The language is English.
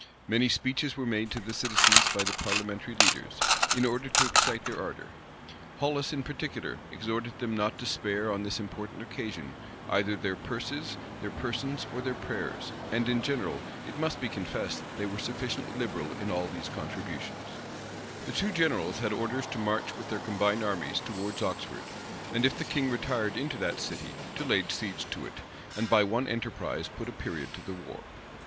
Many speeches were made to the citizens by the parliamentary leaders, in order to excite their ardor. Hollis, in particular, exhorted them not to spare, on this important occasion, either their purses, their persons, or their prayers;[*] and, in general, it must be confessed, they were sufficiently liberal in all these contributions. * Rush. vol. vi. p. 662. The two generals had orders to march with their combined armies towards Oxford; and, if the king retired into that city, to lay siege to it, and by one enterprise put a period to the war.